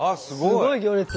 すごい行列！